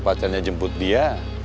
pacarnya jemput dia